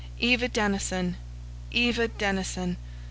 Eva Denison! Eva Denison!